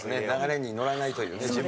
流れにのらないというね。